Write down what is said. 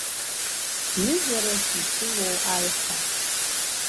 Ҩызарас исылоу аиҳа!